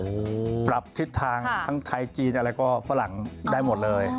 การสามารถปรับทิศทางทั้งไทยจีนและฝรั่งได้หมดเลย